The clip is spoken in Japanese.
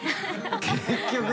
結局。